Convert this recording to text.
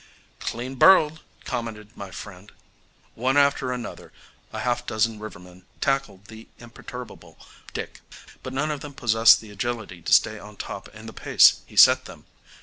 "Clean birled!" commented my friend. One after another a half dozen rivermen tackled the imperturbable Dick, but none of them possessed the agility to stay on top in the pace he set them.